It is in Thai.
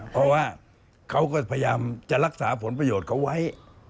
เพราะว่าเขาก็พยายามจะรักษาผลประโยชน์เขาไว้